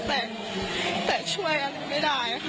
แต่แต่ช่วยอันนี้ไม่ได้ค่ะ